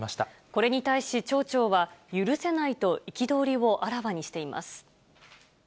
これに対し、町長は、許せないと憤りをあらわにしています。